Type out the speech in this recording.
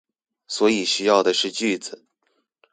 所以需要的是句子